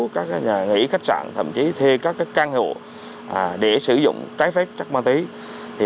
các nhà nghỉ khách sạn thậm chí thuê các căn hộ để sử dụng trái phép chất ma túy